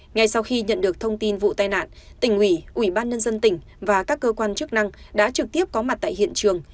ngay sau khi nhận được thông tin vụ tai nạn tỉnh ủy ủy ban nhân dân tỉnh và các cơ quan chức năng đã trực tiếp có mặt tại hiện trường